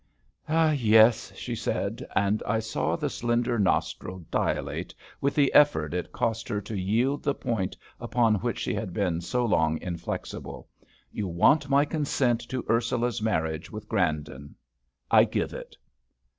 "Yes," she said and I saw the slender nostril dilate with the effort it cost her to yield the point upon which she had been so long inflexible "you want my consent to Ursula's marriage with Grandon. I give it."